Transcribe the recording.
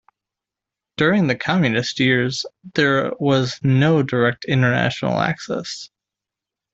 During the Communist years, there was no direct international access.